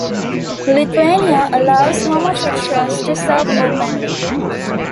Lithuania allows homosexuals to serve openly.